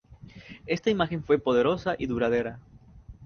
Esta imagen fue poderosa y duradera.